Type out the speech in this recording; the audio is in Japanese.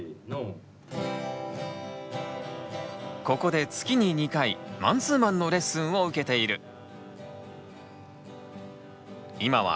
ここで月に２回マンツーマンのレッスンを受けている。